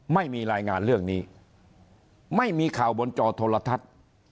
ไม่มีรายงานเรื่องนี้ไม่มีข่าวบนจอโทรทัศน์